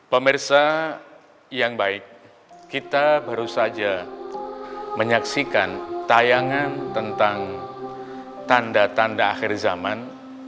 pemirsa yang baik kita baru saja menyaksikan tayangan tentang tanda tanda akhir zaman